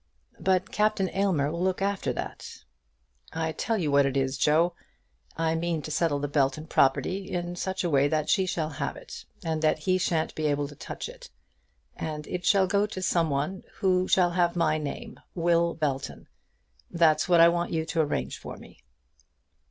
"But Captain Aylmer will look after that." "I tell you what it is, Joe; I mean to settle the Belton property in such a way that she shall have it, and that he shan't be able to touch it. And it shall go to some one who shall have my name, William Belton. That's what I want you to arrange for me."